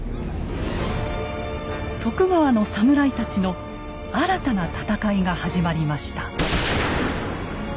徳川のサムライたちの新たな戦いが始まりました。